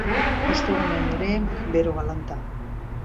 Ostegunean ere, bero galanta.